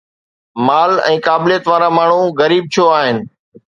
مال ۽ قابليت وارا ماڻهو غريب ڇو آهن؟